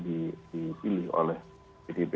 dipilih oleh pdip